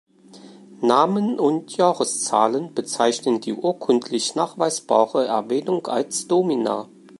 Namen und Jahreszahlen bezeichnen die urkundlich nachweisbare Erwähnung als Domina.